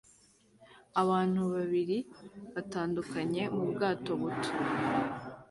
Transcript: Abantu babiri batandukanye mu bwato buto